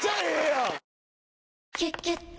「キュキュット」